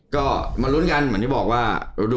ก็มาลุ้นกันเหมือนที่บอกว่า